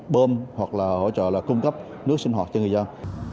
bơm hoặc là hỗ trợ là cung cấp nước sinh hoạt cho người dân